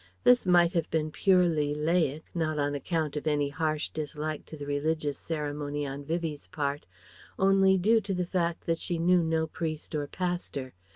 This might have been purely "laïc"; not on account of any harsh dislike to the religious ceremony on Vivie's part; only due to the fact that she knew no priest or pastor.